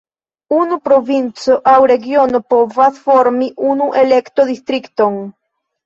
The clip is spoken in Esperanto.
Unu provinco aŭ regiono povas formi unu elekto-distrikton.